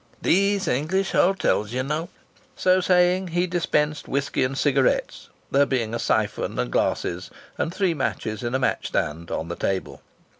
These English hotels, you know !" So saying he dispensed whisky and cigarettes, there being a siphon and glasses, and three matches in a match stand, on the table.